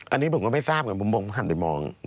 อันนี้ผมก็ไม่ทราบไงผมผมก็หันไปมอง